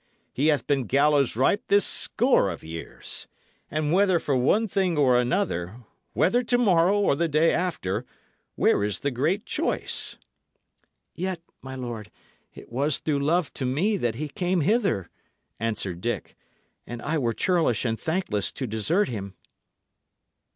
"He hath been gallows ripe this score of years. And, whether for one thing or another, whether to morrow or the day after, where is the great choice?" "Yet, my lord, it was through love to me that he came hither," answered Dick, "and I were churlish and thankless to desert him."